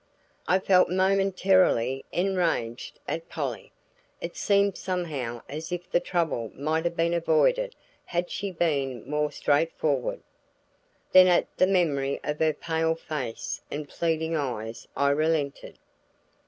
I felt momentarily enraged at Polly. It seemed somehow as if the trouble might have been avoided had she been more straightforward. Then at the memory of her pale face and pleading eyes I relented.